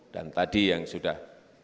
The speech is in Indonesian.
dan tadi yang sudah